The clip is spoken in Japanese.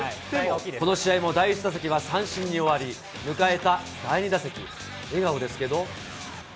この試合も第１打席は三振に終わり、迎えた第２打席、笑顔ですけど。